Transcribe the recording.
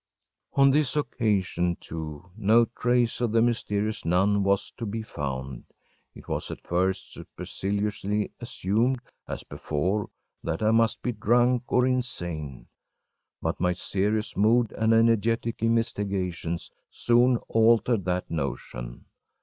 ‚ÄĚ On this occasion, too, no trace of the mysterious nun was to be found. It was at first superciliously assumed, as before, that I must be drunk or insane, but my serious mood and energetic investigations soon altered that notion.